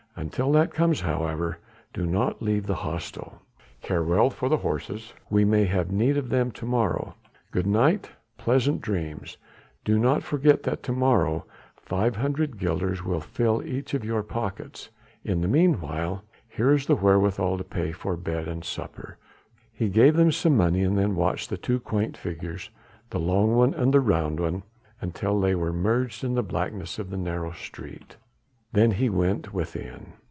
Until that comes, however, do not leave the hostel. Care well for the horses, we may have need of them to morrow. Good night! pleasant dreams! Do not forget that to morrow five hundred guilders will fill each of your pockets. In the meanwhile here is the wherewithal to pay for bed and supper." He gave them some money and then watched the two quaint figures, the long one and the round one, until they were merged in the blackness of the narrow street. Then he went within.